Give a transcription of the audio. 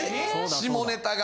下ネタが。